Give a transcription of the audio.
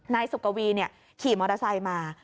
นายสุกวีเนี่ยขี่มอเตอร์ไซต์มา